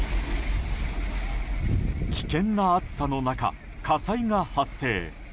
危険な暑さの中火災が発生。